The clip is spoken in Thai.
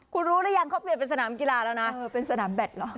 คุณรู้หรือยังเขาเปลี่ยนเป็นสนามกีฬาแล้วนะเป็นสนามแบตเหรอ